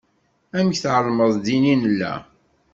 Amek tεelmeḍ din i nella?